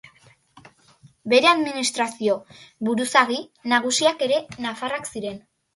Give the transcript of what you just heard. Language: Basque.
Bere administrazio buruzagi nagusiak ere nafarrak ziren.